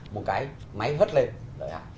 một cái máy hớt lên lợi hại